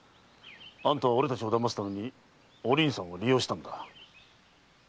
あんたは俺たちをだますためにお凛さんを利用したんだ。